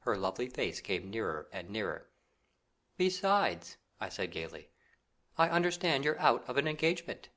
Her lovely face came nearer and nearer. "Besides," I said gaily, "I understand you're out of an engagement."